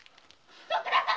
・徳田様！